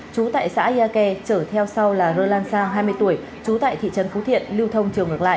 chú tại xã iake chở theo sau là roland sa hai mươi tuổi chú tại thị trấn phú thiện lưu thông trường ngược lại